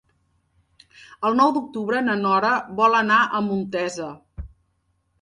El nou d'octubre na Nora vol anar a Montesa.